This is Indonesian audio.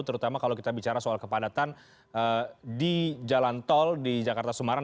terutama kalau kita bicara soal kepadatan di jalan tol di jakarta sumarang